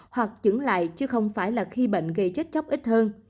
hoặc chứng lại chứ không phải là khi bệnh gây chết chóc ít hơn